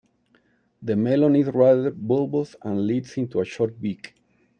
The melon is rather bulbous, and leads into a short beak.